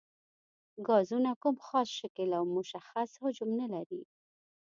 ګازونه کوم خاص شکل او مشخص حجم نه لري.